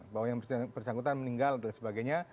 bahwa yang bersangkutan meninggal dan sebagainya